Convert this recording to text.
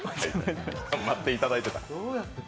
待っていただいていた。